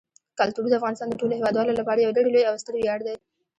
کلتور د افغانستان د ټولو هیوادوالو لپاره یو ډېر لوی او ستر ویاړ دی.